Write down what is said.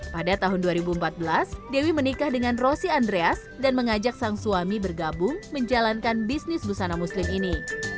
pada tahun dua ribu empat belas dewi menikah dengan rosi andreas dan mengajak sang suami bergabung menjalankan bisnis busana muslim ini